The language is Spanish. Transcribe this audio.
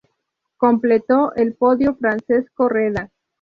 Completó el podio Francesco Reda.